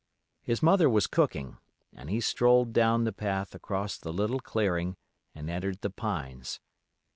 His mother was cooking, and he strolled down the path across the little clearing and entered the pines.